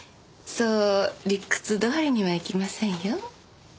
そう理屈どおりにはいきませんよ。